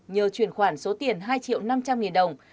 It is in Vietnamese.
nhờ chuyển khoản số tiền hai triệu năm trăm linh nghìn đồng